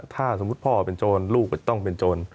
ถ้าสมมุติพ่อเป็นโจรลูกต้องเป็นโจร